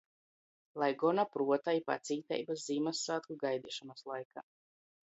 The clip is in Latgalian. Lai gona pruota i pacīteibys Zīmyssvātku gaideišonys laikā!